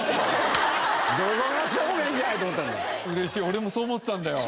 俺もそう思ってたんだよ。